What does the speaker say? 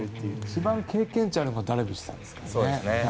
一番経験値があるのがダルビッシュさんですからね。